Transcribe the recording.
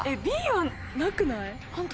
Ｂはなくない？